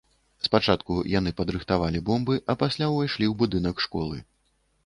Спачатку яны падрыхтавалі бомбы, а пасля ўвайшлі ў будынак школы.